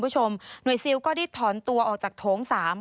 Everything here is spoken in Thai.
หน่วยซิลก็ได้ถอนตัวออกจากโถง๓